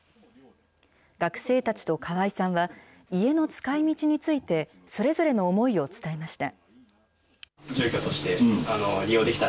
学生たちと川井さんは、家の使いみちについて、それぞれの思いを伝えました。